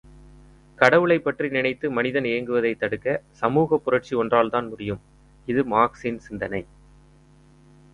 கடவுளை பற்றி நினைத்து மனிதன் ஏங்குவதைத் தடுக்க, சமூகப் புரட்சி ஒன்றால்தான் முடியும். இது மார்க்ஸின் சிந்தனை.